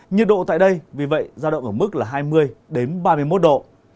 nhiệt độ tại đây vì vậy ra động ở mức là hai mươi đến ba mươi một độ